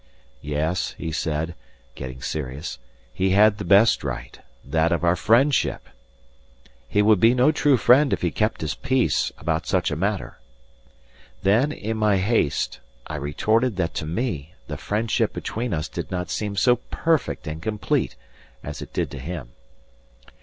Yes, he said, getting serious, he had the best right that of our friendship. He would be no true friend if he kept his peace about such a matter. Then, in my haste, I retorted that to me the friendship between us did not seem so perfect and complete as it did to him.